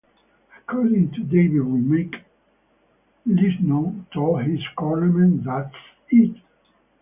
According to David Remnick, Liston told his cornermen, That's it.